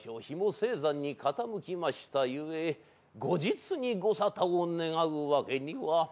日も西山に傾きましたゆえ後日に御沙汰を願うわけには？